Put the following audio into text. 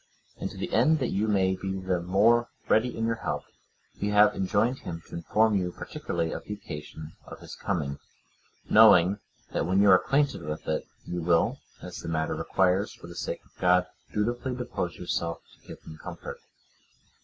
And to the end that you may be the more ready in your help, we have enjoined him to inform you particularly of the occasion of his coming; knowing, that when you are acquainted with it, you will, as the matter requires, for the sake of God, dutifully dispose yourself to give him comfort.